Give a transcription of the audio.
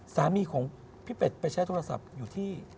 สามีของพี่เป็ดไปใช้โทรศัพท์อยู่ที่